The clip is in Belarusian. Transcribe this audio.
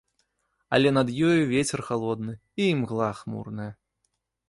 Але над ёю і вецер халодны, і імгла хмурная.